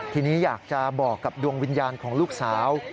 ทีนี้อยากจะบอกกับดวงวิญญาณของลูกสาว